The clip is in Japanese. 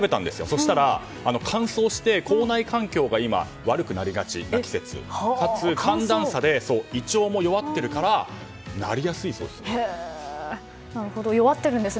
そしたら、乾燥して口内環境が今、悪くなりがちな季節かつ寒暖差で胃腸も弱っているからなりやすいそうです。